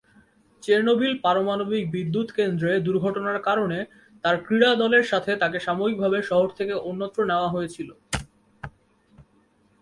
Chernobyl পারমাণবিক বিদ্যুৎ কেন্দ্রে দুর্ঘটনার কারণে, তার ক্রীড়া দলের সাথে তাকে সাময়িকভাবে শহর থেকে অন্যত্র নেওয়া হয়েছিল।